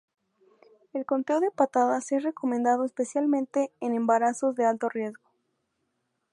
El conteo de patadas es recomendado especialmente en embarazos de alto riesgo.